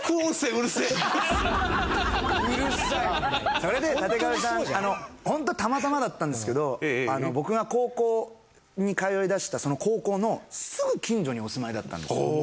それでたてかべさんホントたまたまだったんですけど僕が高校に通いだしたその高校のすぐ近所にお住まいだったんです。